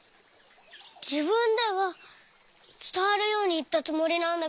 じぶんではつたわるようにいったつもりなんだけど。